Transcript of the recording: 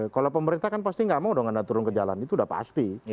kalau pemerintah kan pasti nggak mau dong anda turun ke jalan itu sudah pasti